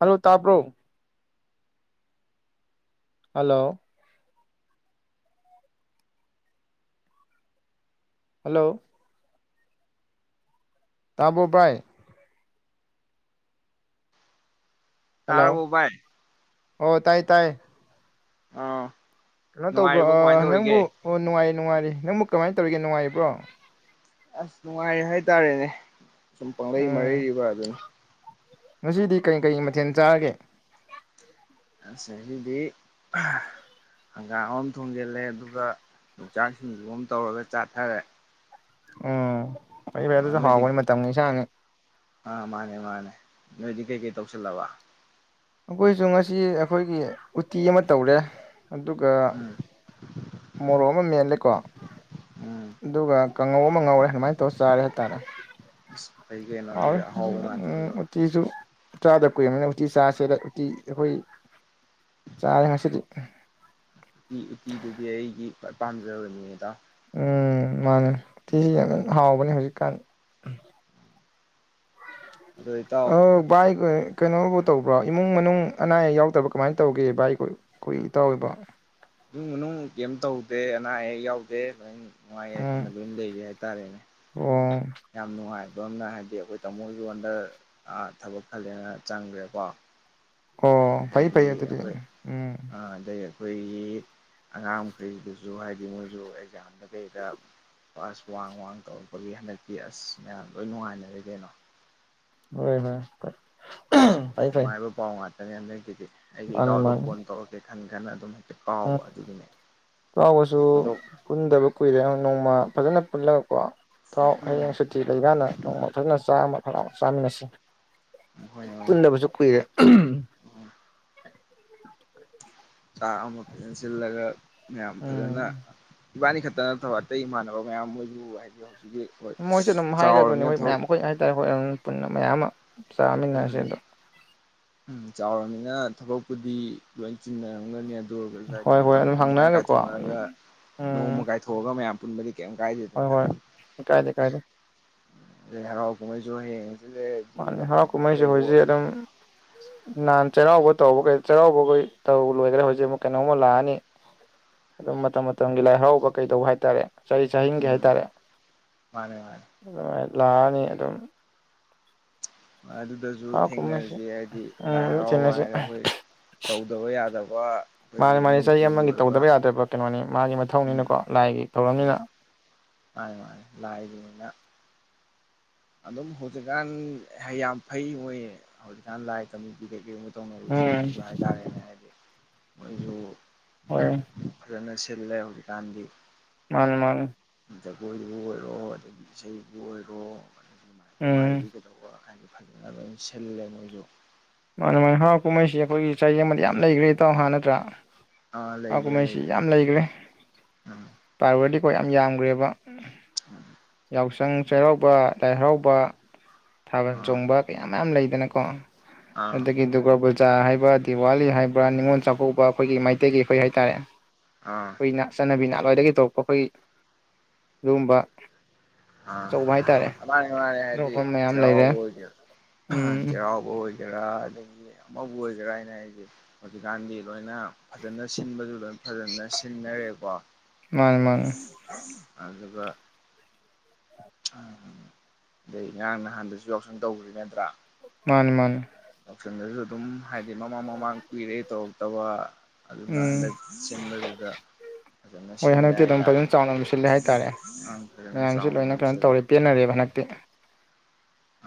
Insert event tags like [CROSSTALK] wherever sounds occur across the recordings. Hello ꯇꯥꯕ꯭ꯔꯣ꯫ Hello. Hello. ꯇꯥꯕꯔꯣ ꯚꯥꯏ꯫ ꯍꯜꯂꯣ ꯇꯥꯔꯕꫭ ꯚꯥꯏ꯫ ꯑꯣ ꯇꯥꯏ--ꯇꯥꯏ꯫ ꯑꯥ ꯀꯩꯅꯣ ꯇꯧꯕ꯭ꯔꯣ ꯅꯨꯡꯉꯥꯏꯔꯤꯕꯣ ꯀꯃꯥꯏꯅ ꯇꯧꯔꯤꯒꯦ ꯅꯪꯕꯨ ꯑꯣ ꯅꯨꯡꯉꯥꯏꯔꯤ--ꯅꯨꯡꯉꯥꯏꯔꯤ꯫ ꯅꯪꯕꯨ ꯀꯃꯥꯏꯅ ꯇꯧꯔꯤꯒꯦ ꯅꯨꯡꯉꯥꯏꯔꯤꯕ꯭ꯔꯣ꯫ ꯑꯁ ꯅꯨꯡꯉꯥꯏꯔꯤ ꯍꯥꯏꯇꯥꯔꯦꯅꯦ꯫ ꯁꯨꯝ ꯄꯪꯂꯩ ꯎꯝ ꯃꯔꯩꯔꯤꯕ ꯑꯗꯨꯅꯤ꯫ ꯉꯁꯤꯗꯤ ꯀꯔꯤ ꯀꯔꯤ ꯃꯊꯦꯜ ꯆꯥꯔꯒꯦ ꯑꯁ ꯉꯁꯤꯗꯤ ꯍꯪꯒꯥꯝ ꯑꯃ ꯊꯣꯡꯖꯤꯜꯂꯦ ꯑꯗꯨꯒ ꯌꯣꯡꯆꯥꯛ ꯁꯤꯡꯖꯨ ꯑꯃ ꯇꯧꯔꯒ ꯆꯥꯊꯔꯦ ꯎꯝ ꯐꯩꯐꯩ ꯑꯣ ꯑꯗꯨꯁꯨ ꯅꯣꯏꯗꯤ ꯍꯥꯎꯕꯅꯤ ꯃꯇꯝꯒꯤ ꯏꯟꯁꯥꯡꯅꯤ ꯑꯥ ꯃꯥꯅꯦ ꯃꯥꯅꯦ ꯅꯣꯏꯗꯤ ꯀꯩꯀꯩ ꯇꯧꯁꯤꯜꯂꯕ ꯑꯩꯈꯣꯏꯁꯨ ꯉꯁꯤ ꯑꯩꯈꯣꯏꯒꯤ ꯎꯇꯤ ꯑꯃ ꯇꯧꯔꯦ ꯑꯗꯨꯒ ꯎꯝ ꯃꯣꯔꯣꯛ ꯑꯃ ꯃꯦꯠꯂꯦꯀꯣ ꯎꯝ ꯑꯗꯨꯒ ꯀꯥꯡꯉꯧ ꯑꯃ ꯉꯧꯔꯦ ꯑꯗꯨꯃꯥꯏꯅ ꯇꯧꯔ ꯆꯥꯔꯦ ꯍꯥꯏꯇꯥꯔꯦ [UNINTELLIGIBLE] ꯑꯗꯨꯗꯤ ꯑꯍꯥꯎꯕ ꯉꯥꯛꯇꯅꯤ [UNINTELLIGIBLE] ꯀꯩꯅꯣ ꯎꯇꯤꯁꯨ ꯆꯥꯗ ꯀꯨꯏꯔꯕꯅꯤꯅ ꯎꯇꯤ ꯆꯥꯁꯦꯗ ꯎꯇꯤ ꯑꯩꯈꯣꯏ ꯆꯥꯔꯦ ꯉꯁꯤꯗꯤ ꯎꯇꯤ ꯎꯇꯤꯗꯨꯗꯤ ꯑꯩꯒꯤ ꯈ꯭ꯋꯥꯏ ꯄꯥꯝꯖꯕꯅꯤꯅꯦꯗ ꯎꯝ ꯃꯥꯅꯦ ꯎꯇꯤꯁꯤ ꯌꯥꯝ ꯍꯥꯎꯕꯅꯦ ꯍꯧꯖꯤꯛꯀꯥꯟ ꯑꯗꯣ ꯏꯇꯥꯎ ꯑ ꯚꯥꯏ ꯑ ꯀꯩꯅꯣ ꯇꯧꯕ꯭ꯔ ꯏꯃꯨꯡ ꯃꯅꯨꯡ ꯑꯅꯥ ꯑꯌꯦꯛ ꯌꯥꯎꯗꯕ꯭ꯔ ꯀꯃꯥꯏꯅ ꯇꯧꯒꯦ ꯚꯥꯏ ꯈꯣꯏ ꯏꯇꯥꯎꯒꯤꯕꯨ ꯏꯃꯨꯡ ꯃꯅꯨꯡ ꯀꯦꯝ ꯇꯧꯗꯦ ꯑꯅꯥ ꯑꯌꯦꯛ ꯌꯥꯎꯗꯦ ꯅꯨꯡꯉꯥꯏ ꯎꯝ ꯌꯥꯏꯐꯅ ꯂꯣꯏ ꯂꯩꯔꯤ ꯍꯥꯏꯇꯥꯔꯦꯅꯦ ꯑꯣ ꯌꯥꯝ ꯅꯨꯡꯉꯥꯏ ꯑꯗꯣꯝꯅ ꯍꯥꯏꯗꯤ ꯑꯩꯈꯣꯏ ꯇꯥꯃꯣꯁꯨ ꯍꯟꯇꯛ ꯑ ꯊꯕꯛ ꯈꯜꯂꯦꯅ ꯆꯪꯈ꯭ꯔꯦꯀꯣ ꯑꯣ ꯐꯩ ꯐꯩ ꯑꯗꯒꯤ ꯑꯗꯨꯗꯤ ꯑꯩꯈꯣꯏ ꯎꯝ ꯑꯗꯩ ꯑꯩꯈꯣꯏꯒꯤ ꯑꯉꯥꯡ ꯃꯈꯩꯗꯨꯁꯨ ꯍꯥꯏꯗꯤ ꯃꯣꯏꯁꯨ ꯑꯦꯛꯖꯥꯝꯗ ꯀꯩꯗ ꯄꯥꯁ ꯋꯥꯡ ꯋꯥꯡ ꯇꯧꯔꯛꯄꯒꯤ ꯍꯟꯗꯛꯇꯤ ꯑꯁ ꯃꯌꯥꯝ ꯂꯣꯏ ꯅꯨꯡꯉꯥꯏꯅꯔ‌ꯦ ꯀꯩꯅꯣ ꯍꯣꯏ ꯍꯣꯏ ꯐꯩ ꯐꯩ ꯅꯨꯡꯉꯥꯏꯕ ꯄꯥꯎ ꯉꯛ [UNINTELLIGIBLE] ꯑꯩꯒꯤ ꯃꯥꯅꯤ ꯏꯇꯥꯎꯗꯣ ꯃꯥꯅꯤ ꯐꯣꯟ ꯇꯧꯔ ꯈꯟ ꯈꯟꯅ ꯑꯗꯨꯝ ꯍꯦꯛꯇ ꯎꯝ ꯀꯥꯎꯕ ꯑꯗꯨꯒꯤꯅꯦ ꯆꯥꯎꯕꯁꯨ ꯑꯗꯣ ꯄꯨꯟꯗꯕ ꯀꯨꯏꯔꯦ ꯅꯣꯡꯃ ꯐꯖꯅ ꯄꯨꯜꯂꯒꯀꯣ ꯊꯥꯎ ꯍꯌꯦꯡ ꯁꯨꯇꯤ ꯂꯩꯀꯟꯗ ꯅꯣꯡꯃ ꯐꯖꯅ ꯆꯥꯛ ꯑꯃ ꯆꯝꯃꯤꯟꯅꯁꯤ ꯑꯩꯈꯣꯏꯅ ꯄꯨꯟꯗꯕꯁꯨ ꯀꯨꯏꯔꯦ ꯆꯥꯛ ꯑꯃ ꯐꯖꯅ ꯁꯤꯜꯂꯒ ꯃꯌꯥꯝ ꯐꯖꯅ ꯎꯝ ꯏꯕꯥꯅꯤ ꯈꯛꯇ ꯅꯠꯇꯕ ꯑꯇꯩ ꯏꯃꯥꯟꯅꯕ ꯃꯌꯥꯝ ꯃ‌ꯣꯏꯁꯨ ꯍꯥꯏꯗꯤ ꯍꯧꯖꯤꯛꯀꯤ ꯍꯣꯏ ꯃꯣꯏꯁꯨ ꯑꯗꯨꯝ ꯍꯥꯏꯒꯗꯣꯏꯅꯦ ꯆꯥꯎꯔꯕꯅꯤꯅ ꯍꯣꯏ ꯊꯕꯛ ꯃꯌꯥꯝ ꯑꯩꯈꯣꯏ ꯍꯥꯏꯇꯥꯔꯦ ꯑꯝ ꯄꯨꯟꯅ ꯃꯌꯥꯝ ꯑꯃ ꯆꯥꯃꯤꯅꯔꯁꯦ ꯑꯗꯣ ꯎꯝ ꯆꯥꯎꯔꯃꯤꯅ ꯊꯕꯛꯄꯨꯗꯤ ꯂꯣꯏ ꯆꯤꯟꯅꯔꯝ ꯈꯪꯒꯅꯤ ꯑꯗꯨ ꯑꯣꯏꯔꯒꯁꯨ ꯍꯥꯏꯗꯤ ꯍꯣꯏ ꯍꯣꯏ ꯃꯇꯝ ꯑꯗꯨꯝ ꯈꯤꯇꯪ ꯈꯤꯇꯪ ꯍꯪꯅꯔꯒꯀꯣ ꯑꯗꯨꯝ ꯀꯥꯏꯊꯣꯛꯉꯑꯒ ꯎꯝ ꯅꯣꯡꯃ ꯀꯥꯏꯊꯣꯛꯑꯒ ꯃꯌꯥꯝ ꯄꯨꯨꯝꯃꯔꯤ ꯍꯣꯏ ꯍꯣꯏ ꯏ ꯀꯥꯏ ꯗꯦ ꯀꯥꯏ ꯗꯦ ꯑꯦ ꯍꯔꯥꯎ ꯀꯨꯃꯍꯩꯁꯨ ꯍꯌꯦꯡ ꯂꯦꯗꯤ ꯍꯧ ꯀꯨꯝꯍꯩꯁꯨ ꯍꯧꯖꯤꯛ ꯑꯗꯨꯝ ꯅꯍꯥꯟ ꯆꯩꯔꯥꯎꯕ ꯇꯧꯕ ꯀꯩ ꯆꯩꯔꯥꯎꯕꯈꯩ ꯇꯧ ꯂꯣꯏꯈ꯭ꯔꯦ ꯍꯧꯖꯤꯛ ꯑꯃꯨꯛ ꯀꯩꯅꯣꯝꯃ ꯂꯥꯛꯑꯅꯤ ꯑꯗꯨꯝ ꯃꯇꯝ ꯃꯇꯝꯒꯤ ꯂꯥꯏ ꯍꯔꯥꯎꯕ ꯀꯩꯗꯧꯕ ꯍꯥꯏꯇꯥꯔꯦ ꯆꯍꯤ ꯆꯍꯤꯒꯤ ꯎꯝ ꯍꯥꯏꯇꯥꯔꯦ ꯃꯥꯅꯦ ꯃꯥꯅꯦ ꯑꯗꯨꯃꯥꯏꯅ ꯂꯥꯛꯑꯅꯤ ꯑꯗꯨꯝ [INAUDIBLE] ꯑꯗꯨꯗꯁꯨ ꯍꯔꯥꯎ ꯀꯨꯝꯍꯩꯁꯦ ꯊꯦꯡꯅꯁꯤ ꯍꯥꯏꯗꯤ ꯂꯥꯏ ꯎꯝ ꯍꯔꯥꯎꯕ ꯊꯦꯡꯅꯁꯦ ꯍꯥꯏꯔꯦ ꯑꯩꯈꯣꯏ ꯇꯧꯗꯕ ꯌꯥꯗꯕ ꯃꯥꯅꯤ ꯑꯩꯈꯣꯏꯒꯤ ꯃꯥꯅꯤ ꯆꯍꯤ ꯃꯅꯤꯄꯨꯔꯒꯤ ꯑꯃꯒꯤ ꯑꯣꯏꯕ ꯇꯧꯗꯕ ꯌꯥꯗ꯭ꯔꯕ ꯀꯩꯅꯣꯅꯤ ꯃꯥꯒꯤ ꯎꯝ ꯃꯊꯧꯅꯤꯅꯀꯣ ꯂꯥꯏꯒꯤ ꯊꯧꯔꯝꯅꯤꯅ ꯎꯝ ꯃꯥꯅꯦ ꯃꯥꯅꯦ ꯂꯥꯏꯒꯤ ꯑꯣꯏꯅꯥ ꯑꯗꯨꯝ ꯍꯧꯖꯤꯛꯀꯥꯟ ꯌꯥꯝ ꯐꯩ ꯃꯣꯏ ꯍꯧꯖꯤꯛꯀꯥꯟ ꯂꯥꯏ ꯀꯝꯃꯤꯇꯤ ꯀꯩꯀꯩ ꯎꯝ ꯇꯧꯅꯔꯤꯕꯁꯤꯡꯁꯤꯁꯨ ꯍꯥꯏꯇꯥꯔꯦꯅꯦ ꯍꯥꯏꯗꯤ ꯃꯁꯨ ꯍꯣꯏ ꯐꯖꯅꯥ ꯁꯤꯜꯂꯦ ꯍꯦꯖꯤꯛꯀꯥꯟꯗꯤ ꯃꯥꯅꯦ ꯃꯥꯅꯤ ꯖꯒꯣꯏꯕꯨ ꯑꯣꯏꯔꯣ ꯑꯗꯒꯤ ꯏꯁꯩꯕꯨ ꯑꯣꯏꯔꯣ ꯃꯥꯏꯕꯥ ꯎꯝ ꯃꯥꯥꯏꯕꯤ ꯀꯩꯗꯧꯕꯥ ꯍꯥꯏꯗꯤ ꯐꯖꯅꯕ ꯁꯤꯜꯂꯦ ꯃꯣꯏꯁꯨ ꯃꯥꯅꯦ ꯃꯥ ꯍꯔꯥꯎ ꯀꯨꯝꯍꯩꯁꯤ ꯑꯩꯈꯣꯏꯒꯤ ꯆꯍꯤ ꯑꯃꯗ ꯌꯥꯝ ꯂꯩꯈ꯭ꯔꯦ ꯏꯇꯥꯎ ꯍꯥ ꯅꯠꯇ꯭ꯔꯥ ꯑꯥ ꯍꯔꯥꯎ ꯂꯩꯔꯦ ꯀꯨꯝꯍꯩꯁꯤ ꯂꯩꯔꯦ ꯌꯥꯝ ꯂꯩꯒꯔꯦ ꯎꯝ ꯄꯋꯔꯗꯤ ꯑꯩꯈꯣꯏ ꯌꯥꯝ ꯌꯥꯝꯈ꯭ꯔꯦꯕ ꯎꯝ ꯌꯥꯎꯁꯪ ꯆꯩꯔꯥꯎꯕ ꯂꯥꯏ ꯍꯔꯥꯎꯕ ꯊꯥꯕꯜ ꯑꯥ ꯆꯣꯡꯕ ꯀꯌꯥ ꯃꯌꯥꯝ ꯂꯩꯗꯅ ꯑꯥ ꯑꯥ ꯑꯗꯒꯤ ꯗꯨꯔꯒꯥ ꯄꯨꯖꯥ ꯆꯥ ꯍꯥꯏꯕ ꯗꯤꯋꯥꯂꯤ ꯍꯥꯏꯕ꯭ꯔꯥ ꯅꯤꯡꯉꯣꯜ ꯆꯥꯛꯀꯧꯕ ꯑꯩꯈꯣꯏꯒꯤ ꯃꯩꯇꯩꯒꯤ ꯑꯩꯈꯣꯏ ꯍꯥꯏꯇꯥꯔꯦ ꯑꯥ ꯀꯨꯏꯅꯥ ꯆꯠꯅꯕꯤꯅꯥ ꯑꯥ ꯈꯋꯥꯏꯗꯒꯤ ꯇꯧꯔꯛꯄ ꯑꯩꯈꯣꯏꯒꯤ ꯑꯗꯨꯒꯨꯝꯕ ꯑ ꯑꯆꯧꯕ ꯍꯥꯏꯇꯥꯔꯦ ꯑꯗꯥꯏ ꯍꯥꯏꯔꯥꯗꯤ ꯑꯗꯨꯒꯨꯝꯕ ꯃꯌꯥꯝ ꯆꯩꯔꯥꯎꯕꯥ ꯂꯩꯔꯦ ꯑꯣꯏꯗꯣꯏꯔꯣ ꯍꯥ ꯎꯝ ꯆꯩꯔꯥꯎꯕꯥ ꯑꯣꯏ ꯇꯦꯔ꯭ꯗꯒꯤ ꯑꯃꯕꯨ ꯑꯣꯏꯒꯦꯔꯥ ꯍꯥꯏꯅ ꯍꯥꯏꯁꯦ ꯍꯧꯖꯤꯛꯀꯥꯟꯗꯤ ꯂꯣꯏꯅ ꯐꯖꯅ ꯁꯤꯟꯕꯁꯨ ꯂꯣꯏ ꯐꯖꯅ ꯁꯤꯟꯅꯔꯦꯀꯣ ꯃꯥꯅꯤ ꯃꯥꯅꯤ ꯑꯗꯨ [INAUDIBLE] ꯎꯝ ꯑꯗꯩ ꯉꯔꯥꯡ ꯅꯍꯥꯟꯗꯁꯨ ꯌꯥꯎꯁꯟ ꯇꯧꯔꯤ ꯅꯠꯇ꯭ꯔꯥ ꯃꯥꯅꯤ ꯃꯥꯅꯤ ꯌꯥꯎꯁꯪꯗꯁꯨ ꯑꯗꯨꯝ ꯍꯥꯏꯗꯤ ꯃꯃꯥꯡ ꯃꯃꯥꯡ ꯀꯨꯏꯔꯦ ꯇꯧꯔꯛ ꯇꯕ ꯑꯗꯨꯅ ꯎꯝ ꯍꯟꯗꯛ ꯁꯤꯟꯕꯗꯨꯗ ꯐꯖꯅ ꯍꯣꯏ ꯁꯤꯜꯂꯦ ꯍꯟꯗꯛꯇꯤ ꯑꯗꯨꯝ ꯍꯥꯏꯇꯥꯔꯦ ꯐꯖꯅ ꯆꯥꯎꯅ ꯑꯗꯨꯝ ꯁꯤꯜꯂꯦ ꯍꯥꯏꯇꯥꯔꯦ ꯑꯉꯥꯡ ꯐꯖꯅ ꯃꯌꯥꯝꯁꯨ ꯆꯥꯎꯅ ꯂꯣꯏꯅ ꯑꯗꯨꯝ ꯀꯩꯅꯣ ꯁꯤꯜꯂꯦ ꯇꯧꯔꯦ ꯄꯦꯟꯅꯔꯦꯕ ꯍꯟꯗꯛꯇꯤ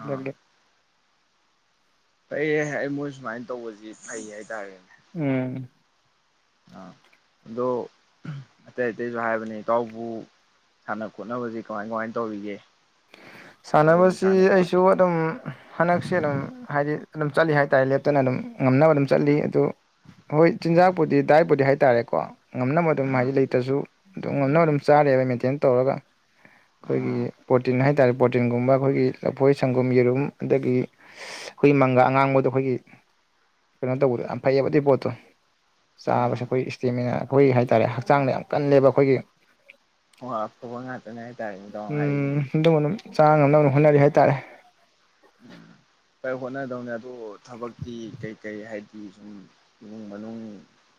ꯑꯥ ꯐꯩ ꯑꯩ ꯃꯣꯏ ꯁꯨꯃꯥꯏꯅ ꯇꯧꯕꯁꯤ ꯐꯩ ꯍꯥꯏꯇꯥꯔꯦꯅꯦ ꯎꯝ ꯑꯥ ꯑꯗꯣ ꯑꯇꯩ ꯑꯇꯩꯁꯨ ꯍꯥꯏꯕꯅꯤ ꯏꯇꯥꯎꯕꯨ ꯁꯥꯟꯅ ꯈꯣꯠꯅꯕꯁꯤ ꯀꯃꯥꯏ ꯀꯃꯥꯏꯅ ꯇꯧꯔꯤꯒꯦ ꯊꯕꯛ ꯁꯥꯟꯅꯕꯁꯤ ꯏꯪꯈꯥꯡꯅ ꯑꯩꯁꯨ ꯀꯃꯥꯏꯅ ꯑꯗꯨꯝ ꯍꯟꯗꯛꯁꯦ ꯑꯗꯨꯝ ꯍꯥꯏꯗꯤ ꯑꯗꯨꯝ ꯆꯠꯂꯤ ꯍꯥꯏꯇꯥꯔꯦ ꯂꯦꯞꯇꯅ ꯑꯗꯨꯝ ꯉꯝꯅꯕ ꯑꯗꯨꯝ ꯆꯠꯂꯤ ꯑꯗꯨ ꯍꯣꯏ ꯆꯤꯟꯖꯥꯛꯄꯨꯗꯤ ꯗꯥꯏꯠꯄꯨꯗꯤ ꯍꯥꯏꯇꯥꯔꯦꯀꯣ ꯉꯝꯅꯕ ꯑꯗꯨꯝ ꯎꯝ ꯍꯥꯏꯗꯤ ꯂꯩꯇ꯭ꯔꯁꯨ ꯑꯗꯨꯝ ꯉꯝꯅꯕ ꯑꯗꯨꯝ ꯆꯥꯔꯦꯕ ꯃꯦꯟꯇꯦꯟ ꯇꯧꯔꯒ ꯎꯝ ꯑꯩꯈꯣꯏꯒꯤ ꯄ꯭ꯔꯣꯇꯤꯟ ꯍꯥꯏ ꯇꯥꯔꯦ ꯄ꯭ꯔꯣꯇꯤꯟꯒꯨꯝꯕ ꯑꯩꯈꯣꯏꯒꯤ ꯂꯐꯣꯏ ꯁꯪꯒꯝ ꯌꯦꯔꯨꯝ ꯑꯗꯒꯤ ꯑꯩꯈꯣꯏ ꯃꯪꯒ ꯑꯉꯥꯡꯕꯗꯣ ꯑꯩꯈꯣꯏꯒꯤ ꯀꯩꯅꯣ ꯇꯧꯕꯗꯣ ꯌꯥꯝ ꯐꯩꯌꯦꯕ ꯑꯗꯨ ꯄꯣꯠꯇꯣ ꯑꯥ ꯆꯥꯕꯁꯦ ꯑꯩꯈꯣꯏ ꯏꯁꯇꯦꯃꯤꯅꯥ ꯑꯩꯈꯣꯏ ꯍꯥꯏ ꯇꯥꯔꯦ ꯍꯛꯆꯥꯡꯗ ꯌꯥꯝ ꯀꯜꯂꯦꯕ ꯑꯩꯈꯣꯏꯒꯤ ꯍ ꯑꯐꯕ ꯉꯥꯛꯇꯅꯤꯍꯥꯏ ꯇꯔꯦ ꯇꯣꯡꯉꯥꯏ ꯆꯥꯡ ꯉꯝꯅꯕ ꯍꯣꯠꯅꯔꯤ ꯍꯥꯏꯇꯥꯔꯦ ꯎꯝ ꯍꯣꯠꯅꯗꯧꯅꯦ ꯑꯗꯨ ꯊꯕꯛꯀꯤ ꯀꯩ ꯀꯩ ꯍꯥꯏꯗꯤ ꯁꯨꯝ ꯏꯃꯨꯡ ꯃꯅꯨꯡ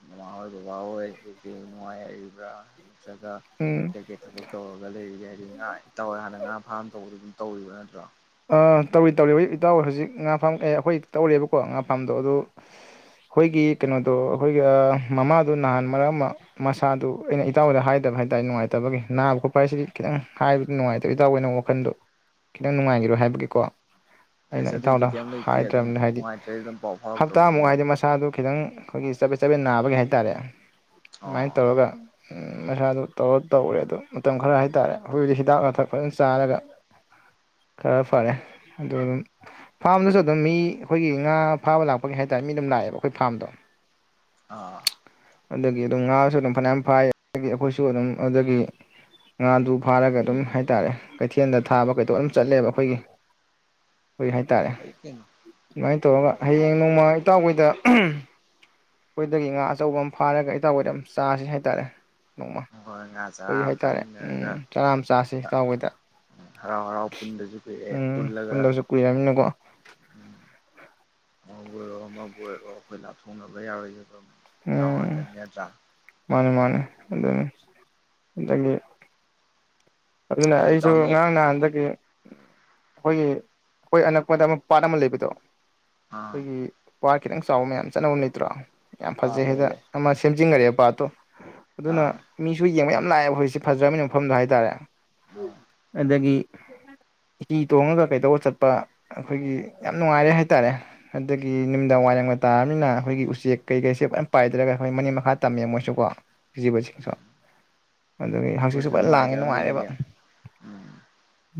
ꯃꯃꯥꯍꯣꯏ ꯕꯕꯥꯍꯣꯏ ꯅꯨꯡꯉꯥꯏꯔꯤꯕ꯭ꯔꯥ ꯍꯥꯏ ꯆꯠꯆ꯭ꯔꯒ ꯎꯝ ꯀꯩꯀꯩ ꯊꯕꯛ ꯇꯧꯔꯒ ꯂꯩꯔꯤꯒ ꯍꯥꯏꯗꯤ ꯏꯇꯥꯎꯍꯣꯏ ꯍꯥꯟꯅ ꯉꯥ ꯐꯥꯝ ꯇꯧꯕꯗꯨ ꯇꯧꯔꯤꯕ ꯅꯠꯇ꯭ꯔꯣ ꯇꯧꯔꯤ ꯇꯧꯔꯤ ꯑꯩꯖꯤꯣꯏ ꯏꯇꯥꯎ ꯍꯧꯖꯤꯛ ꯉꯥ ꯐꯥꯝ ꯑꯦ ꯑꯩꯈꯣꯏ ꯇꯧꯔꯦꯕꯀꯣ ꯉꯥ ꯐꯥꯝꯗꯣ ꯑꯗꯨ ꯑꯩꯈꯣꯏꯒꯤ ꯀꯩꯅꯣꯗꯣ ꯑꯩꯈꯣꯏꯒꯤ ꯃꯃꯥꯗꯣ ꯅꯍꯥꯟ ꯃꯔꯛ ꯑꯃ ꯃꯁꯥꯗꯨ ꯑꯩꯅ ꯏꯇꯥꯎꯕꯗ ꯍꯥꯏꯗꯕ ꯍꯥꯏ ꯇꯔꯦ ꯉꯥꯏꯇꯕꯒꯤ ꯅꯥꯕ ꯈꯣꯠꯄ ꯍꯥꯏꯁꯤꯗꯤ ꯈꯤꯇꯪ ꯍꯥꯏꯕꯗꯤ ꯅꯨꯡꯉꯥꯏꯇꯕ ꯏꯇꯥꯎꯕ ꯑꯣꯏꯅ ꯋꯥꯈꯜꯗꯣ ꯈꯤꯇꯪ ꯅꯨꯡꯉꯥꯏꯈꯤꯕ ꯍꯥꯏꯕꯒꯤꯀꯣ ꯑꯩꯅ ꯑꯁ ꯑꯗꯨꯏꯗꯤ ꯏꯇꯥꯎꯗ ꯀꯩꯝ ꯂꯩꯇꯦ ꯑꯗꯨꯝ ꯍꯥꯏꯗ꯭ꯔꯕꯅꯤ ꯍꯥꯏꯗꯤ ꯅꯨꯡꯉꯥꯏꯇ꯭ꯔꯗꯤ ꯑꯗꯨꯝ ꯄꯥꯎ ꯐꯥꯎꯔꯛꯇꯧꯅꯤ ꯍꯞꯇꯥꯃꯨꯛ ꯀꯩꯅꯣ ꯍꯥꯏꯗꯤ ꯃꯁꯥꯗꯨ ꯈꯤꯇꯪ ꯑꯩꯈꯣꯏꯒꯤ ꯆꯠꯄꯦꯠ ꯆꯠꯄꯦꯠ ꯅꯥꯕꯒꯤ ꯍꯥꯏꯇꯥꯔꯦ ꯑꯗꯨꯃꯥꯏꯅ ꯑꯣ ꯇꯧꯔꯒ ꯃꯁꯥꯗꯨ ꯇꯧꯔ ꯇꯧꯔꯦ ꯑꯗꯨ ꯃꯇꯝ ꯈꯔ ꯍꯥꯏꯇꯥꯔꯦ ꯑꯩꯈꯣꯏ ꯍꯧꯖꯤꯛ ꯍꯤꯗꯥꯛ ꯂꯥꯡꯊꯛ ꯐꯖꯅ ꯆꯥꯔꯒ ꯈꯔ ꯐꯔꯦ ꯑꯗꯨ ꯑꯗꯨꯝ ꯐꯥꯝꯗꯁꯨ ꯑꯗꯨꯝ ꯃꯤ ꯑꯩꯈꯣꯏꯒꯤ ꯉꯥ ꯐꯥꯕ ꯂꯥꯛꯄꯒꯤ ꯍꯥꯏꯇꯥꯥꯔꯦ ꯃꯤ ꯑꯗꯨꯝ ꯂꯥꯛꯑꯦꯕ ꯑꯩꯈꯣꯏ ꯐꯥꯔꯝꯗꯣ ꯑꯥ ꯑꯗꯨꯒꯤ ꯑꯗꯨꯝ ꯉꯥꯁꯨ ꯑꯗꯨꯝ ꯐꯅꯌꯥꯝ ꯐꯥꯏ ꯑꯗꯒꯤ ꯑꯩꯈꯣꯏꯁꯨ ꯑꯗꯨꯝ ꯑꯗꯨꯗꯒꯤ ꯉꯥꯗꯨ ꯐꯥꯔꯒ ꯑꯗꯨꯝ ꯍꯥꯏꯇꯥꯔꯦ ꯀꯩꯊꯦꯜꯗ ꯊꯥꯕ ꯀꯩꯗꯧꯕ ꯑꯗꯨꯝ ꯆꯠꯂꯦꯕ ꯑꯩꯈꯣꯏꯒꯤ ꯍꯣꯏ ꯍꯥꯏꯇꯥꯔꯦ ꯐꯩ ꯀꯩꯅꯣ ꯁꯨꯃꯥꯏꯅ ꯇꯧꯔꯒ ꯍꯥꯏꯗꯤ ꯍꯌꯦꯡ ꯅꯣꯡꯃ ꯏꯇꯥꯎꯍꯣꯏꯗ ꯑꯩꯈꯣꯏꯗꯒꯤ ꯉꯥ ꯑꯆꯧꯕ ꯑꯃ ꯐꯥꯔꯒ ꯏꯇꯥꯎꯈꯣꯏꯗ ꯑꯃ ꯆꯥꯁꯤ ꯍꯥꯏꯇꯥꯔꯦ ꯅꯣꯡꯃ ꯍꯣꯏ ꯉꯥ ꯆꯔꯥ ꯍꯣꯏ ꯑꯃ ꯍꯥꯏꯇꯥꯔꯦ ꯆꯥꯃꯤꯟꯅꯔꯒ ꯎꯝ ꯆꯔꯥ ꯑꯃ ꯆꯁꯤ ꯇꯥꯎꯕꯩꯗ ꯍꯔꯥꯎ ꯍꯔꯥꯎ ꯄꯨꯟꯗꯁꯨ ꯀꯨꯏꯑꯦ ꯄꯨꯜꯂꯒ ꯀꯨꯏꯔꯕꯅꯤꯅꯀꯣ ꯎ ꯑꯃꯕꯨ ꯑꯣꯏꯔꯣ ꯑꯃꯕꯨ ꯑꯣꯏꯔꯣ ꯑꯩꯈꯣꯏ ꯂꯥꯞꯊꯣꯛꯅꯕ ꯌꯥꯔꯣꯏꯒ ꯎꯝ ꯃꯥꯅꯦ ꯃꯥꯅꯦ ꯑꯗꯨꯅꯦ ꯑꯗꯒꯤ ꯑꯗꯨꯅ ꯑꯗꯣ ꯑꯩꯁꯨ ꯏꯇꯥꯎ ꯅꯣꯏ ꯉꯔꯥꯡ ꯅꯍꯥꯟꯗꯒꯤ ꯑꯩꯈꯣꯏꯒꯤ ꯑꯩꯈꯣꯏ ꯑꯅꯛꯄꯗ ꯄꯥꯠ ꯑꯃ ꯂꯩꯕꯗꯣ꯫ ꯑꯥ ꯑꯩꯈꯣꯏꯒꯤ ꯄꯥꯠ ꯈꯤꯇꯪ ꯆꯥꯎꯕ ꯃꯌꯥꯝ ꯆꯠꯅ ꯑꯝ ꯂꯩꯇ꯭ꯔꯣ ꯌꯥꯝ ꯑꯥ ꯐꯖꯩ ꯂꯩ ꯍꯥꯏꯗ ꯂꯩ ꯑꯃ ꯁꯦꯝꯖꯤꯟꯒꯔꯦꯕ꯫ ꯄꯥꯠꯇꯣ ꯑꯗꯨꯅ ꯑꯥ ꯃꯤꯁꯨ ꯌꯦꯡꯕ ꯌꯥꯝ꯫ ꯌꯥꯝ ꯂꯥꯛꯑꯦ ꯍꯧꯖꯤꯛꯁꯤ ꯐꯖꯔꯕꯅꯤꯅ ꯃꯐꯝꯗꯣ ꯍꯥꯏꯇꯥꯔꯦ ꯑꯥ ꯑꯗꯒꯤ ꯍꯤ ꯇꯣꯡꯉꯒ ꯀꯩꯗꯧꯔ ꯆꯠꯄ ꯑꯩꯈꯣꯏꯒꯤ ꯌꯥꯝ ꯅꯨꯡꯉꯥꯏꯔꯦ ꯍꯥꯏ ꯇꯥꯔꯦ ꯑꯗꯒꯤ ꯅꯨꯃꯤꯗꯥꯡ ꯋꯥꯏꯔꯝꯇꯥꯔꯕꯅꯤꯅ ꯑꯩꯈꯣꯏꯒꯤ ꯎꯆꯦꯛ ꯀꯩꯀꯩꯁꯦ ꯂꯣꯏ ꯄꯥꯏꯗꯔꯒ ꯑꯩꯈꯣꯏ ꯃꯅꯤꯡ ꯃꯈꯥ ꯇꯝꯃꯦ ꯃꯣꯏꯁꯨꯀꯣ ꯍꯧꯖꯤꯛ ꯍꯧꯖꯤꯛꯁꯨ꯫ ꯑꯗꯒꯤ ꯍꯪꯆꯤꯠꯁꯨ ꯃꯣꯏꯁꯨ ꯐꯖꯅ ꯂꯥꯡꯉꯦ ꯅꯨꯡꯉꯥꯏꯖꯔꯝꯗꯣꯏꯅꯤ ꯅꯨꯡꯉꯥꯏꯔꯦꯕ ꯎꯝ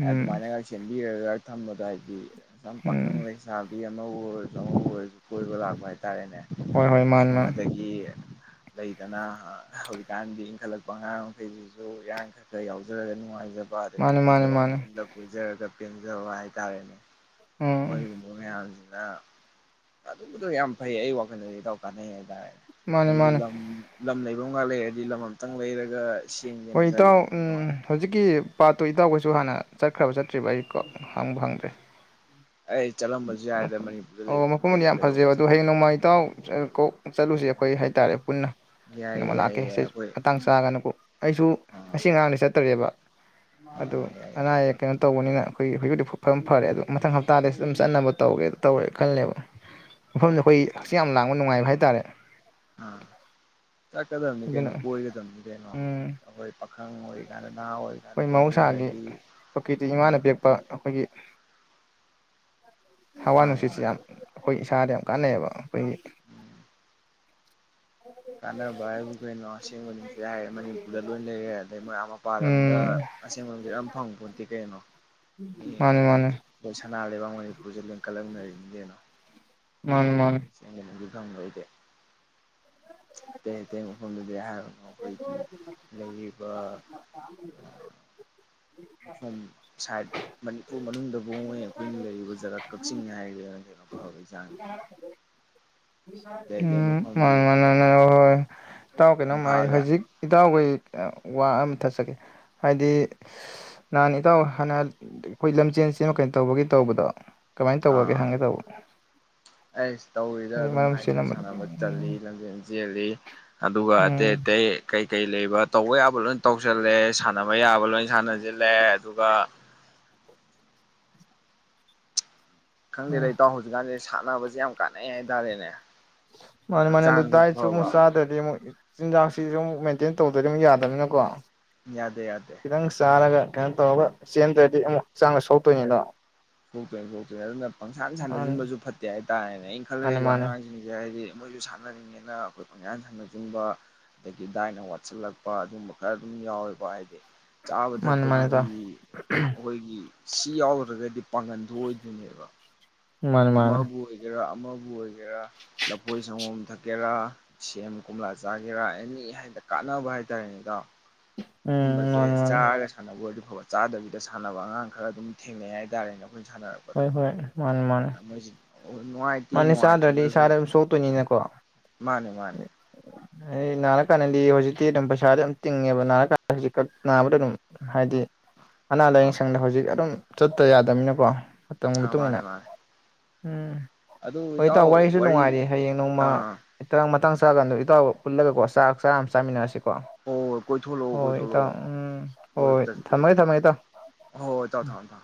ꯎꯝ ꯁꯦꯝꯕꯤꯔꯒ ꯊꯝꯕꯗ ꯍꯥꯏꯗꯤ ꯄꯥꯈꯪ ꯎꯝ ꯂꯩꯁꯕꯤ [UNINTELLIGIBLE] ꯍꯥꯏꯇꯥꯔꯦꯅꯦ ꯍꯣꯏ ꯍꯣꯏ ꯃꯥꯅꯤ ꯁꯨꯝ ꯑꯗꯒꯤ ꯂꯩꯗꯅ ꯍꯧꯖꯤꯛꯀꯥꯟꯗꯤ ꯏꯟꯈꯠꯂꯛꯄ ꯑꯉꯥꯡ ꯃꯈꯈꯩ꯫ ꯑꯗꯨ ꯏꯔꯥꯡ ꯈꯛꯇ ꯌꯥꯎꯖꯔꯒ ꯅꯨꯡꯉꯥꯏ ꯖꯕ꯫ ꯄꯥꯗꯒꯤ ꯃꯥꯅꯤ ꯃꯥꯅꯤ ꯃꯥꯅꯤ ꯐꯖꯕ ꯃꯥꯅꯤ ꯃꯐꯝꯗ ꯄꯨꯖꯔꯒ ꯄꯦꯟꯖꯕ ꯍꯥꯏꯇꯥꯔꯦ ꯎꯝ ꯃꯣꯏꯒꯨꯝꯕ ꯃꯌꯥꯝ꯫ ꯑꯗꯨꯝꯕꯗꯣ ꯌꯥꯝ ꯐꯩ ꯑꯩ ꯋꯥꯈꯜꯗꯗꯤ ꯏꯇꯥꯎ ꯀꯥꯟꯅꯩ ꯍꯥꯏꯇꯥꯔꯦ꯫ ꯃꯥꯅꯤ ꯑꯩꯕꯨ ꯃꯥꯅꯤ ꯂꯝ ꯂꯝ ꯂꯩ ꯨꯒꯗ ꯂꯩꯔꯗꯤ ꯂꯝ ꯑꯃꯇꯪ ꯂꯩꯔꯒ ꯍꯣꯏ ꯁꯦꯝꯒꯦꯅ ꯏꯇꯥꯎ ꯈꯜꯂꯤꯅꯦ ꯑꯗꯨꯃꯥꯏꯅ ꯍꯧꯖꯤꯛꯀꯤ ꯄꯥꯠꯇꯣ ꯏꯇꯥꯎꯈꯧꯁꯨ ꯍꯥꯟꯅ ꯆꯠꯈ꯭ꯔꯕ ꯆꯠꯇ꯭ꯔꯤꯕ ꯑꯩ ꯀꯣ ꯍꯪꯕꯨ ꯍꯪꯗ꯭ꯔꯦ꯫ ꯑꯩ ꯆꯠꯂꯝꯕꯁꯨ ꯌꯥꯏꯗ ꯃꯅꯤꯄꯨꯔꯗ ꯑꯣ ꯂꯩꯕꯕꯨ ꯃꯐꯝꯗꯤ ꯀꯩꯅꯣ ꯌꯥꯝ ꯀꯩꯗꯧꯕꯩ ꯐꯖꯩꯕ ꯑꯗꯣ ꯍꯌꯦꯡ ꯆꯠꯂꯣꯏꯗꯣꯏꯅꯣ ꯅꯣꯡꯃꯥꯏ ꯏꯇꯥꯎ ꯀꯣꯛ ꯆꯠꯂꯨꯁꯦ꯫ ꯑꯩꯈꯣꯏ ꯍꯥꯏꯇꯥꯔꯦ ꯄꯨꯟꯅ ꯌꯥꯏꯌꯦ ꯅꯣꯡꯃ ꯂꯥꯛꯀꯦ ꯌꯥꯏꯌꯦ ꯌꯥꯏ ꯁꯤ ꯑꯩꯈꯣꯏ ꯃꯇꯥꯡ ꯆꯥꯒꯅꯨꯀꯣ ꯑꯩꯁꯨ ꯑꯥ ꯉꯁꯤ ꯉꯔꯥꯡꯗꯤ ꯆꯠꯇꯔꯦꯕ꯫ ꯑꯗꯨ ꯑꯥ ꯌꯥꯏ ꯌꯥꯏ ꯑꯅꯥ ꯑꯌꯦꯛ ꯀꯩꯅꯣ ꯇꯧꯕꯅꯤꯅ꯫ ꯑꯩꯈꯣꯏ ꯍꯧꯖꯤꯛꯄꯨꯗꯤ ꯐꯕ ꯐꯔꯦ ꯑꯣ ꯃꯊꯪ ꯍꯞꯇꯥꯗꯁꯨ꯫ ꯑꯗꯨꯝ ꯆꯠꯅꯕ ꯇꯧꯒꯦ ꯇꯧꯔꯦ ꯈꯜꯂꯦꯕ ꯃꯐꯝꯗ ꯑꯩꯈꯣꯏ ꯍꯥꯡꯆꯤꯠ ꯂꯥꯡꯕ ꯌꯥꯝ ꯅꯨꯡꯉꯥꯏꯕ ꯍꯥꯏꯇꯥꯔꯦ꯫ ꯑꯥ ꯆꯠꯀꯗꯕꯅꯤ ꯑꯗꯨꯅ ꯀꯩꯅꯣ ꯀꯣꯏꯒꯗꯕꯅꯤ ꯀꯩꯅꯣ ꯎꯝ ꯑꯩꯈꯣꯏ ꯄꯈꯪ꯫ [UNINTELLIGIBLE] ꯑꯩꯈꯣꯏ ꯃꯍꯧꯁꯥꯒꯤ ꯄ꯭ꯔꯀ꯭ꯔꯤꯇꯤ ꯑꯥ ꯏꯃꯥꯅ ꯄꯤꯔꯛꯄ ꯑꯩꯈꯣꯏꯒꯤ ꯍꯋꯥ ꯃꯥꯅꯦ ꯅꯨꯡꯁꯤꯠꯁꯤ ꯃꯥꯅꯦ ꯌꯥꯝ ꯑꯩꯈꯣꯏ ꯏꯁꯥꯗ ꯌꯥꯝ ꯀꯥꯟꯅꯩꯌꯦꯕ ꯑꯩꯈꯣꯏꯒꯤ ꯎꯝ ꯀꯥꯟꯅꯕ ꯍꯥꯏꯕꯨ ꯀꯩꯅꯣ ꯑꯁꯦꯡꯕ ꯅꯨꯡꯁꯤꯠ ꯍꯥꯏꯔꯦ ꯃꯅꯤꯄꯨꯔꯗ ꯂꯣꯏ ꯂꯩꯔꯦ ꯑꯗꯩ ꯃꯣꯏ ꯑꯥ ꯃꯄꯥꯥꯟ ꯂꯝꯗ ꯎꯝ ꯑꯁꯦꯡꯕꯅꯨꯡꯁꯤꯠ ꯌꯥꯝ ꯐꯪꯄꯣꯠꯇꯦ ꯀꯩꯅꯣ꯫ ꯃꯤ ꯃꯥꯅꯦ ꯃꯥꯅꯦ ꯂꯣꯏ ꯁꯅꯥ ꯂꯩꯕꯥꯛ ꯃꯅꯤꯄꯨꯔꯁꯦ ꯂꯤꯡꯈꯠ [UNINTELLIGIBLE] ꯀꯩꯅꯣ꯫ ꯎꯝ ꯃꯥꯅꯦ ꯐꯪꯍꯧꯗꯦ꯫ ꯑꯇꯩ ꯑꯇꯩ ꯃꯐꯝꯗ [UNINTELLIGIBLE] ꯃꯈꯣꯏꯒꯤ ꯂꯩꯔꯤꯕ ꯁꯣꯝ ꯁꯥꯏꯠ ꯃꯅꯤꯄꯨꯔ ꯃꯅꯨꯡꯗ ꯕꯨ ꯑꯩꯈꯣꯏꯅ ꯂꯩꯔꯤꯕ ꯖꯒꯥ ꯀꯛꯆꯤꯡꯅꯦ ꯍꯥꯏꯔꯗꯤ ꯂꯣꯏꯔꯕꯅꯤ ꯀꯩꯅꯣ ꯐꯕꯒꯤ ꯆꯥꯡꯁꯦ꯫ ꯑꯇꯩ ꯑꯇꯩ ꯎꯝ ꯃꯥꯅꯦ ꯃꯐꯝꯗꯤ ꯃꯥꯅꯦ ꯍꯣꯏ ꯍꯣꯏ ꯏꯇꯥꯎ ꯀꯩꯅꯣꯝꯃ ꯍꯥꯏꯒꯦ ꯏꯝꯐꯥꯜꯒ ꯍꯧꯖꯤꯛ ꯏꯇꯥꯎꯒꯤ ꯋꯥ ꯑꯃ ꯊꯠꯆꯒꯦ ꯍꯥꯏꯗꯤ ꯅꯍꯥꯟ ꯏꯇꯥꯎ ꯍꯥꯟꯅ ꯑꯩꯈꯣꯏ ꯂꯝꯖꯦꯜ ꯆꯦꯟꯕ ꯀꯩꯅꯣ ꯇꯧꯕꯒꯤ ꯇꯧꯕꯗꯣ ꯀꯃꯥꯏꯅ ꯇꯧꯈꯔꯒꯦ ꯑꯥ ꯍꯪꯒꯦ ꯇꯧꯕ꯫ ꯑꯩꯁ ꯇꯧꯔꯤꯗ ꯑꯗꯨꯝ ꯃꯔꯝ ꯍꯥꯏꯗꯤ ꯆꯦꯜꯂꯝꯕꯗꯣ ꯁꯥꯟꯅꯕ ꯆꯠ ꯎꯝ ꯂꯝꯖꯦꯜ ꯆꯦꯜꯂꯤ꯫ ꯑꯗꯨꯒ ꯑꯇꯩ ꯎꯝ ꯑꯇꯩ ꯀꯩ ꯀꯩ ꯂꯩꯕ ꯇꯧꯕ ꯌꯥꯕ ꯂꯣꯏ ꯇꯧꯁꯤꯜꯂꯦ ꯁꯥꯟꯅꯕ ꯌꯥꯕ ꯂꯣꯏ ꯁꯥꯟꯅꯁꯤꯜꯂꯦ ꯑꯗꯨꯒ ꯈꯪꯗꯦ ꯗ ꯎꯝ ꯏꯇꯥꯎ ꯍꯧꯖꯤꯁꯨꯀꯥꯟꯁꯦ ꯁꯥꯟꯅꯕꯁꯦ ꯌꯥꯝ ꯀꯥꯟꯅꯩ ꯍꯥꯏꯇꯥꯔꯦꯅꯦ꯫ ꯃꯥ ꯃꯅꯦ ꯑꯗꯨ ꯍꯛꯆꯥꯡꯁꯨ ꯗꯥꯥꯏꯠꯁꯨ ꯑꯃꯨꯛ ꯐꯕ ꯆꯥꯗꯔꯗꯤ ꯑꯃꯨꯛ ꯆꯤꯟꯖꯥꯛꯁꯤꯁꯨ ꯑꯃꯨꯛ ꯃꯦꯟꯇꯦꯟ ꯇꯧꯗꯗꯤ ꯑꯃꯨꯛ ꯌꯥꯗꯕꯅꯤꯅꯀꯣ ꯌꯥꯗꯦ ꯌꯥꯗꯦ ꯈꯤꯇꯪ ꯆꯥꯔꯒ ꯀꯩꯅꯣ ꯇꯧꯔꯒ ꯆꯦꯟꯗ꯭ꯔꯗꯤ ꯑꯃꯨꯛ ꯍꯛꯆꯥꯡꯗ ꯁꯣꯛꯇꯣꯏꯅꯤꯗꯣ꯫ ꯁꯣꯛꯇꯣꯅꯤ ꯁꯣꯛꯇꯣꯅꯤ ꯗꯨꯅ ꯄꯪꯁꯥꯟ ꯃꯥꯅꯤ ꯁꯥꯟꯅꯁꯤꯟꯕꯁꯨ ꯐꯠꯇꯦ ꯍꯥꯏꯇꯥꯔꯦꯅꯦ ꯑꯩꯅ ꯃꯥꯅꯤ ꯈꯜꯂꯨꯔꯤꯕ ꯃꯥꯅꯤ ꯑꯉꯥꯡꯁꯤꯡꯁꯦ ꯍꯥꯏꯗꯤ ꯃꯣꯏꯁꯨ ꯁꯥꯟꯅꯅꯤꯡꯉꯦꯅ ꯑꯩꯈꯣꯏ ꯄꯪꯁꯥꯟ ꯁꯥꯟꯅ ꯁꯟꯕ ꯑꯗꯒꯤ ꯗꯥꯏꯅ ꯋꯥꯠꯁꯤꯜꯂꯛꯄ ꯑꯗꯨꯝꯕ ꯈꯔ ꯑꯗꯨꯝ ꯌꯥꯎꯋꯦꯀꯣ ꯍꯥꯏꯗꯤ ꯆꯥꯕ ꯃꯥꯅꯤ ꯃꯥꯅꯤ ꯊꯛꯄꯒꯤ ꯏꯇꯥꯎ ꯑꯩꯈꯣꯏꯒꯤ ꯁꯤ ꯌꯥꯎꯗꯔꯒꯗꯤ ꯄꯥꯡꯒꯟ ꯊꯣꯛ ꯑꯣꯏꯗꯣꯏꯅꯦꯕ꯫ ꯃꯥꯅꯤ ꯃꯥꯅꯤ ꯑꯃꯕꯨ ꯑꯣꯏꯒꯦꯔꯥ ꯑꯃꯕꯨ ꯍꯣꯏ ꯍꯦꯔ ꯂꯐꯣꯏ ꯁꯪꯒꯣꯝ ꯊꯛꯀꯦꯔꯥ ꯁꯦꯝ ꯀꯣꯝꯂꯥ ꯆꯥꯒꯦꯔꯥ ꯑꯦꯅꯤ ꯍꯥꯏꯅ ꯀꯥꯟꯅꯕ ꯍꯥꯏꯇꯥꯔꯦꯅ ꯏꯗꯥꯎ ꯎꯝ ꯁꯨꯝꯕꯁꯦ ꯃꯥꯅꯤ ꯃꯥꯅꯤ ꯆꯥꯔ ꯁꯥꯟꯅꯕ ꯑꯣꯏ ꯑꯐ ꯆꯥꯗꯕꯤꯗ ꯁꯥꯟꯅꯕ ꯑꯉꯥꯡ ꯈꯔ ꯑꯗꯨꯝ ꯊꯦꯡꯅꯩ ꯍꯥꯏꯇꯥꯔꯦꯅꯣ ꯍꯣꯏ ꯍꯣꯏ ꯃꯥꯟꯅꯦ ꯃꯅꯦ ꯃꯣꯏꯁꯤ ꯅꯨꯡꯉꯥꯏꯇꯦ ꯃꯥꯅꯤ ꯆꯥꯗ꯭ꯔꯗꯤ ꯏꯁꯥꯗ ꯅꯨꯡꯉꯥꯏꯇ꯭ꯔꯒꯁꯨ ꯑꯗꯨꯝ ꯁꯣꯛꯇꯣꯏꯅꯤꯅꯀꯣ ꯃꯥꯅꯦ ꯃꯥꯅꯦ ꯑꯩ ꯅꯥꯔꯀꯥꯟꯗꯗꯤ ꯍꯧꯖꯤꯛꯇꯤ ꯑꯗꯨꯝ ꯄꯩꯁꯥꯗꯤ ꯑꯗꯨꯝ ꯇꯤꯡꯉꯦꯕ ꯅꯥꯔꯀꯥꯟꯗ ꯍꯧꯖꯤꯛꯀꯛ ꯅꯥꯕꯗ ꯑꯗꯨꯝ ꯍꯥꯏꯗꯤ ꯑꯅꯥ ꯑꯥ ꯂꯥꯏꯌꯦꯡ ꯑꯥ ꯁꯪꯗ ꯍꯧꯖꯤꯛ ꯑꯗꯨꯝ ꯆꯠꯇ ꯌꯥꯗꯝꯃꯤꯅꯀꯣ ꯃꯇꯝꯒꯤ ꯑꯥ ꯃꯇꯨꯡ ꯃꯥꯅꯦ ꯏꯟꯅ ꯃꯥꯅꯦ ꯎꯝ ꯑꯗꯨ ꯍꯣꯏ ꯏꯇꯥꯎ ꯋꯥꯔꯤꯁꯨ ꯋꯥꯔꯤ ꯅꯨꯡꯉꯥꯏꯔꯦ ꯍꯌꯦꯡ ꯅꯣꯡꯃ ꯑꯥ ꯃꯇꯥꯡ ꯆꯥꯔꯀꯥꯟꯗꯣ ꯏꯇꯥꯎ ꯄꯨꯜꯂꯒꯀꯣ ꯆꯥꯛ ꯆꯥꯔ ꯑꯃ ꯆꯥꯃꯤꯟꯅꯔꯁꯤ ꯍꯣ ꯍꯣꯏ ꯍꯣꯏ ꯀꯣꯏꯊꯣꯛꯂꯛꯑꯣ ꯍꯣꯏ ꯏꯇꯥꯎ ꯀꯣꯏꯊꯣꯛꯂꯛꯑꯣ ꯎꯝ ꯍꯣꯏ ꯀꯣꯏꯔꯛꯇꯁꯨ ꯀꯨꯏꯔꯦ ꯊꯝꯃꯒꯦ ꯊꯝꯃꯒꯦ ꯏꯇꯥꯎ ꯍꯣꯏ ꯍꯣꯏ ꯏꯇꯥꯎ ꯎꯝ ꯊꯝꯃꯦ ꯊꯝꯃꯦ